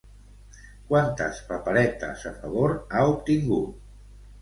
Quantes paperetes a favor ha obtingut?